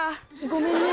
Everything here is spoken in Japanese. ごめんね。